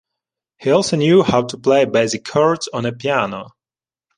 He also knew how to play basic chords on a piano.